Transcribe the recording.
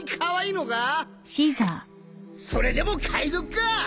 それでも海賊か！？